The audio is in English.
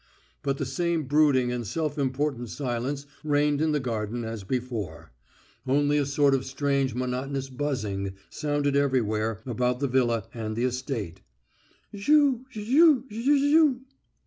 But the same brooding and self important silence reigned in the garden as before. Only a sort of strange monotonous buzzing sounded everywhere about the villa and the estate. "Zhu ... zhzhu ... zhzhu...."